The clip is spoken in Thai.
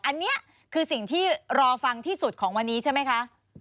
อันนี้คือสิ่งที่รอฟังที่สุดของวันนี้ใช่ไหมคะ